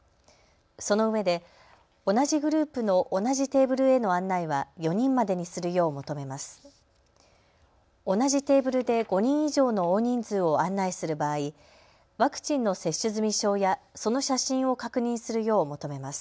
そのうえで同じグループの同じテーブルへの案内は４人までにするよう求めます。